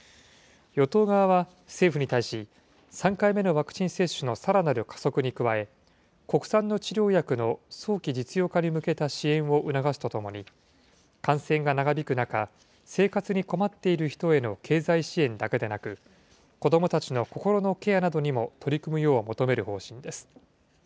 与党側は政府に対し、３回目のワクチン接種のさらなる加速に加え、国産の治療薬の早期実用化に向けた支援を促すとともに、感染が長引く中、生活に困っている人への経済支援だけでなく、子どもたちの心のケアなどにも取り組むよう求める方針です。